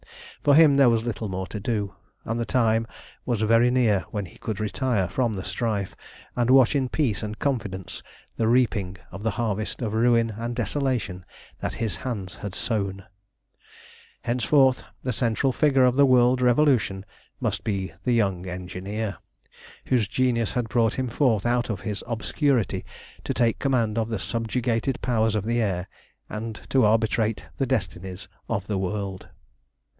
For him there was little more to do, and the time was very near when he could retire from the strife, and watch in peace and confidence the reaping of the harvest of ruin and desolation that his hands had sown. Henceforth, the central figure in the world revolution must be the young English engineer, whose genius had brought him forth out of his obscurity to take command of the subjugated powers of the air, and to arbitrate the destinies of the world.